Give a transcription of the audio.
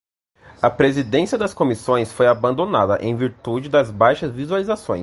A presidência das comissões foi abandonada em virtude das baixas visualizações